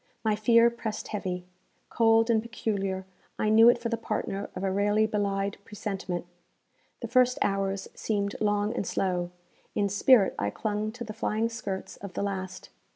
My fear pressed heavy. Cold and peculiar, I knew it for the partner of a rarely belied presentiment. The first hours seemed long and slow; in spirit I clung to the flying skirts of the last.